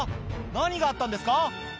何があったんですか？